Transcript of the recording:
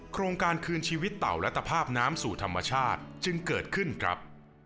โครงการคืนชีวิตเต่าและตภาพน้ำสู่ธรรมชาติจึงเกิดขึ้นครับ